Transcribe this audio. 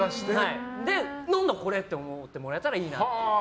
何だこれって思ってもらえたらいいなっていう。